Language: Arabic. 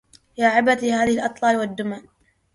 يا عبرتي هذه الأطلال والدمن